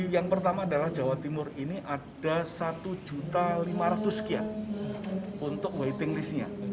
yang pertama adalah jawa timur ini ada satu lima ratus sekian untuk waiting list nya